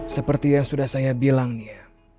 seperti yang sudah saya bilang nih ya